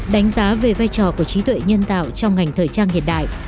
đánh giá về vai trò của trí tuệ nhân tạo trong ngành thời trang hiện đại